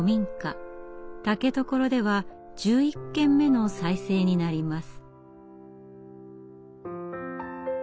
竹所では１１軒目の再生になります。